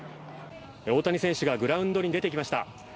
大谷選手がグラウンドに出てきました。